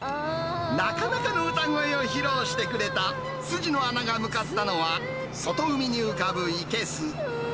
なかなかの歌声を披露してくれた筋野アナが向かったのは、外海に浮かぶ生けす。